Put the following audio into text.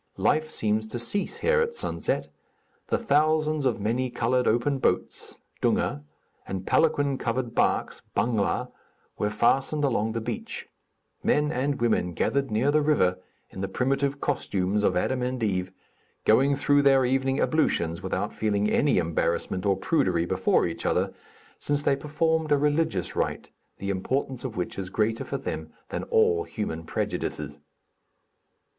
Life seems to cease here at sunset; the thousands of many colored open boats (dunga) and palanquin covered barks (bangla) were fastened along the beach; men and women gathered near the river, in the primitive costumes of Adam and Eve, going through their evening ablutions without feeling any embarrassment or prudery before each other, since they performed a religious rite, the importance of which is greater for them than all human prejudices.